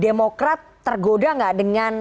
demokrat tergoda tidak dengan